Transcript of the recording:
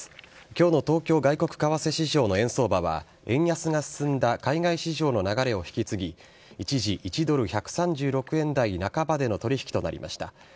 今日の東京外国為替市場の円相場は円安が進んだ海外市場の流れを引き継ぎ一時、１ドル１３６円台半ばでの取引となりました。